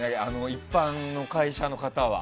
一般の会社の方は。